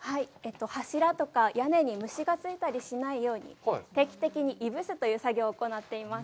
柱とか、屋根に虫がついたりしないように、定期的にいぶすという作業を行っています。